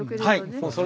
はい。